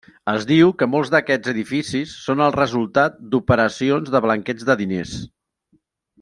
Es diu que molts d'aquests edificis són el resultat d'operacions de blanqueig de diners.